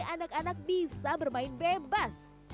anak anak bisa bermain bebas